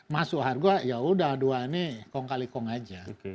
dua masuk harga ya sudah dua ini kong kali kong saja